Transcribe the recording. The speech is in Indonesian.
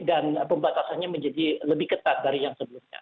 dan pembatasannya menjadi lebih ketat dari yang sebelumnya